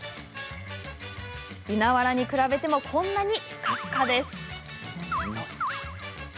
稲わらに比べてもこんなにふかふか。